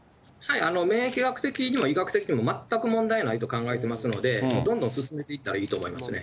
免疫学でも医学的にも全く問題ないと考えてますので、どんどん進めていったらいいと思いますね。